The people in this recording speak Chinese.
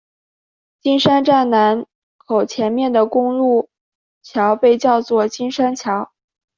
金山站南口前面的公路桥被叫做金山桥。